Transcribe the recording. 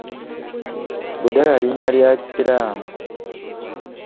Budalah linnya lya Kisiraamu.